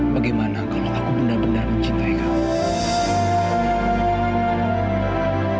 bagaimana kalau aku benar benar mencintai kamu